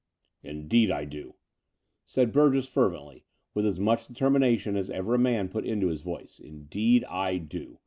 " "Indeed I do," said Burgess fervently, with as much determination as ever a man put into his voice, "indeed I do.